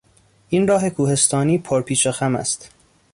این راه کوهستانی پر پیچ و خم است.